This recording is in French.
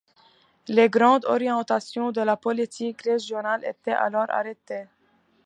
Les grandes orientations de la politique régionale étaient alors arrêtées.